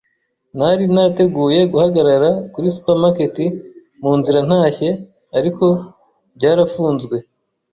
Nari narateguye guhagarara kuri supermarket munzira ntashye, ariko byarafunzwe.